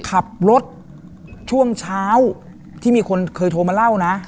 ขับรถช่วงเช้าที่มีคนเคยโทรมาเล่านะ